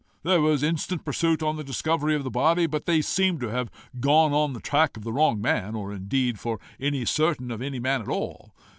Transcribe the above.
There was instant pursuit on the discovery of the body, but they seem to have got on the track of the wrong man or, indeed, for anything certain, of no man at all.